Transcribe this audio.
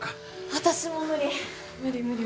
・私も無理・無理無理